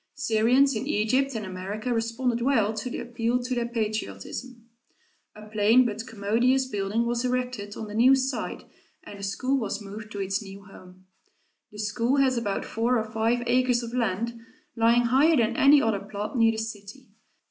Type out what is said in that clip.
Syrians in Egypt and America responded well to the appeal to their patriotism. A plain but commodious building was erected on the new site and the school was moved to its new home. The school has about four or five acres of land, lying higher than any other plot near the city.